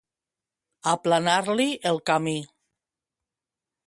Aplanar-li el camí.